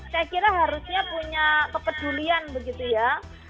saya kira harusnya punya kepedulian begitu ya